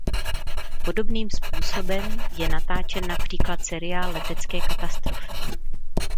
Podobným způsobem je natáčen například seriál Letecké katastrofy.